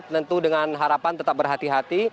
tentu dengan harapan tetap berhati hati